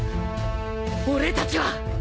俺たちは！！